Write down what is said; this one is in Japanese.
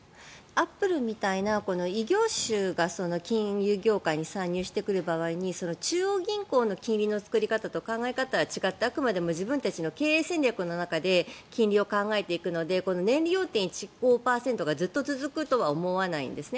アップルみたいな異業種が金融業界に参入してくる場合に中央銀行の金利の作り方と考え方は違ってあくまでも自分たちの経営戦略の中で金利を考えていくので年利４．１５％がずっと続くとは思わないんですね。